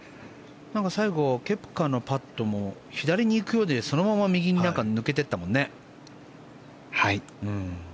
最後、ケプカのパットも左に行くようで、そのまま右にはい。